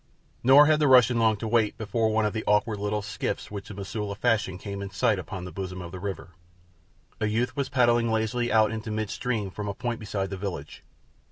Nor had the Russian long to wait before one of the awkward little skiffs which the Mosula fashion came in sight upon the bosom of the river. A youth was paddling lazily out into midstream from a point beside the village.